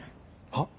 はっ？